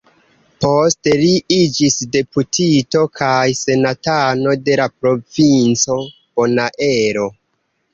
Poste li iĝis deputito kaj senatano de la provinco Bonaero.